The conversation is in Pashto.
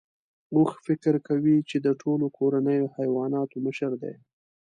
اوښ فکر کوي چې د ټولو کورنیو حیواناتو مشر دی.